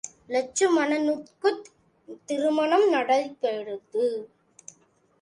லெட்சுமணனுக்குத் திருமணம் நடந்தது.